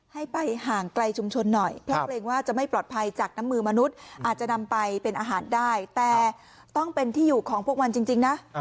มีข้อแม้ว่าก็ยินดีแต่มีข้อแม้ว่าก็ยินดี